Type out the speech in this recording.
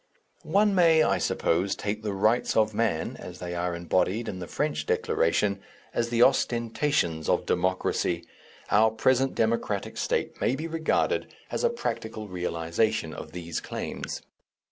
One may, I suppose, take the Rights of Man as they are embodied in the French Declaration as the ostentations of Democracy; our present Democratic state may be regarded as a practical realization of these claims.